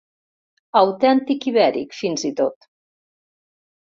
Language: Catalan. Autèntic ibèric, fins i tot.